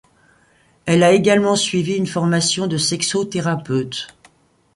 Elle a également suivi une formation de sexothérapeute.